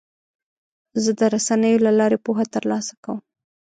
زه د رسنیو له لارې پوهه ترلاسه کوم.